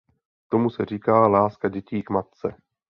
Tomu se říká láska dětí k matce.